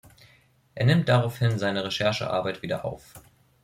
Er nimmt daraufhin seine Recherchearbeit wieder auf.